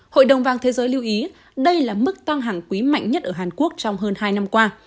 hội đồng vàng thế giới lưu ý đây là mức tăng hàng quý mạnh nhất ở hàn quốc trong hơn hai năm qua